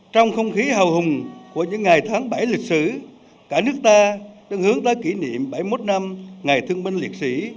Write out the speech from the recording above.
trong không khí hào hùng của những ngày tháng bảy lịch sử cả nước ta đang hướng tới kỷ niệm bảy mươi một năm ngày thương binh liệt sĩ